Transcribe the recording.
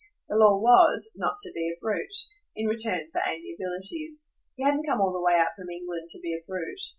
The law was not to be a brute in return for amiabilities. He hadn't come all the way out from England to be a brute.